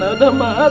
kamu sudah maafin pak